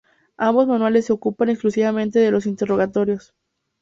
Ambos manuales se ocupan exclusivamente de los interrogatorios.